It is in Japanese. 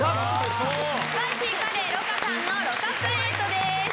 スパイシーカレー魯珈さんのろかプレートです。